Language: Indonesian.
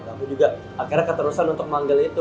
kamu juga akhirnya keterusan untuk manggil itu